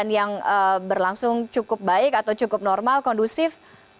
dan yang berlangsung cukup baik atau cukup normal kondusif